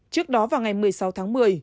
trước đó vào ngày một mươi sáu tháng một mươi